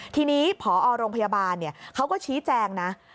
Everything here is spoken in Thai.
ทีนี้พอโรงพยาบาลเขาก็ชี้แจงนะ